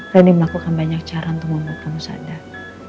rani melakukan banyak cara untuk membuat kamu sadar